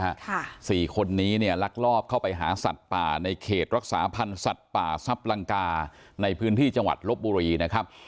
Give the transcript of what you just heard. ค่ะสี่คนนี้เนี่ยลักลอบเข้าไปหาสัตว์ป่าในเขตรักษาพันธ์สัตว์ป่าซับลังกาในพื้นที่จังหวัดลบบุรีนะครับ